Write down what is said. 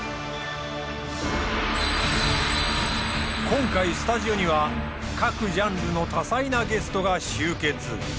今回スタジオには各ジャンルの多彩なゲストが集結。